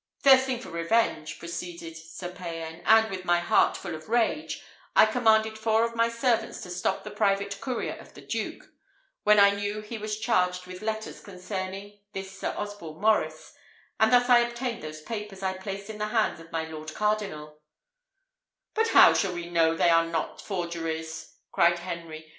"Thirsting for revenge," proceeded Sir Payan, "and with my heart full of rage, I commanded four of my servants to stop the private courier of the duke, when I knew he was charged with letters concerning this Sir Osborne Maurice, and thus I obtained those papers I placed in the hands of my lord cardinal " "But how shall we know they are not forgeries?" cried Henry.